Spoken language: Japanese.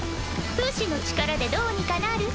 不死の力でどうにかなる？